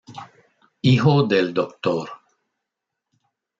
Hijo del Dr.